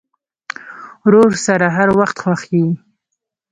ورور سره هر وخت خوښ یې.